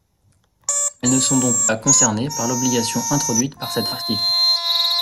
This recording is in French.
Elles ne sont donc pas concernées par l’obligation introduite par cet article.